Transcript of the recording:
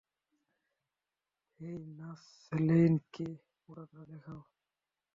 হেই, - nurse Lane কে পোড়াটা দেখাও।